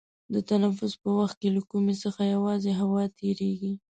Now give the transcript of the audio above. د تنفس په وخت کې له کومي څخه یوازې هوا تیرېږي.